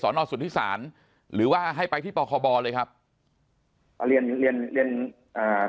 สอนอดสุทธิศาลหรือว่าให้ไปที่ปคบเลยครับเรียนเรียนเรียนอ่า